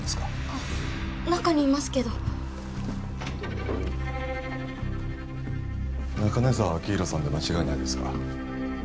あっ中にいますけど中根沢晃浩さんで間違いないですか？